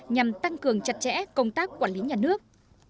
nhằm tăng cường chặt chẽ công tác quản lý nhà nước